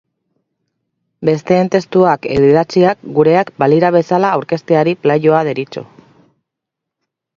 Besteen testuak edo idatziak gureak balira bezala aurkezteari plagioa deritzo.